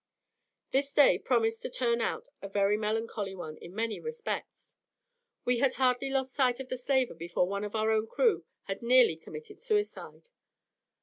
This day promised to turn out a very melancholy one in many respects. We had hardly lost sight of the slaver before one of our own crew had nearly committed suicide.